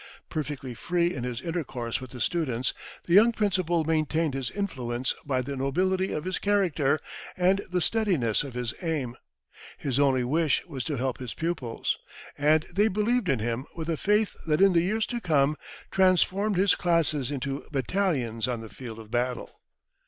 Perfectly free in his intercourse with the students, the young principal maintained his influence by the nobility of his character and the steadiness of his aim. His only wish was to help his pupils. And they believed in him with a faith that in the years to come transformed his classes into battalions on the field of battle.